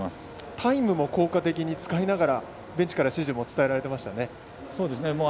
タイムも効果的に使いながらベンチから指示も伝えられていましたね。